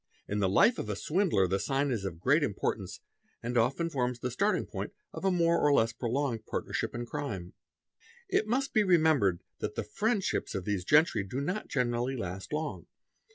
In the life of a swindler the sign is of great importance and often forms the Et Lalit 0 ee ee Se OP te Geer eT starting point of a more or less prolonged partnership in crime. It must be remembered that the "friendships"' of these gentry do D ot generally last long.